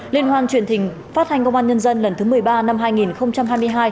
liên hoan truyền hình phát thanh công an nhân dân lần thứ một mươi ba năm hai nghìn hai mươi hai